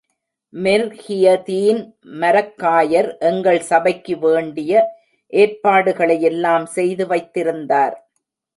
மெர்ஹியதீன் மரக்காயர் எங்கள் சபைக்கு வேண்டிய ஏற்பாடுகளையெல்லாம் செய்து வைத்திருந்தார்.